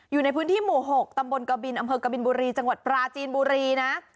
อยู่ในพื้นที่หมู่๖ตำบลกบินอำเภอกบินบุรีจังหวัดปราจีนบุรีนะ